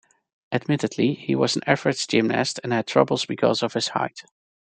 Admittedly, he was an average gymnast and had troubles because of his height.